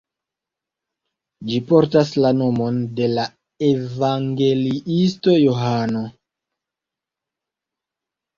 Ĝi portas la nomon de la evangeliisto Johano.